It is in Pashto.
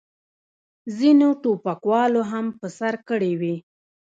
ځینو ټوپکوالو هم په سر کړې وې.